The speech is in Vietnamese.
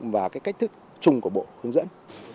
và cái cách thức chung của bộ hướng dẫn